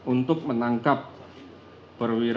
untuk menangkap perwira tni poweri